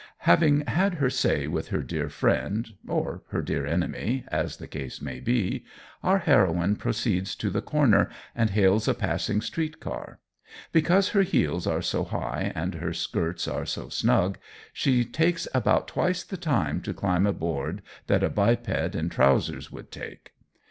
Having had her say with her dear friend or her dear enemy, as the case may be, our heroine proceeds to the corner and hails a passing street car. Because her heels are so high and her skirts are so snug, she takes about twice the time to climb aboard that a biped in trousers would take.